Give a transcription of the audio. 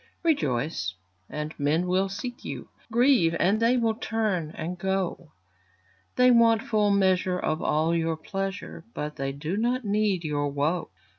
Rejoice, and men will seek you; Grieve, and they turn and go; They want full measure of all your pleasure, But they do not need your woe.